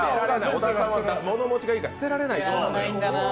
小田さんは物持ちがいいから捨てられない。